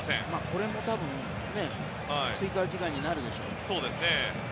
これも多分追加時間になるでしょうね。